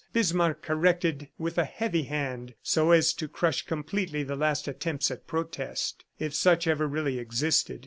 Bismarck corrected with a heavy hand so as to crush completely the last attempts at protest if such ever really existed.